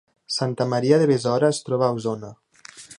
Santa Maria de Besora es troba a Osona